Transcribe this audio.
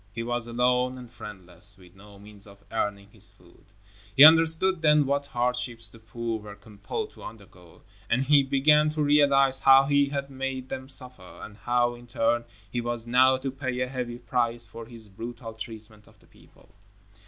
He was alone and friendless, with no means of earning his food. He understood then what hardships the poor were compelled to undergo, and he began to realize how he had made them suffer, and how, in turn, he was now to pay a heavy price for his brutal treatment of the people.